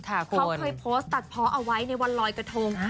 เขาเคยโพสต์ตัดเพาะเอาไว้ในวันลอยกระทง